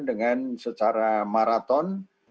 dengan secara maraton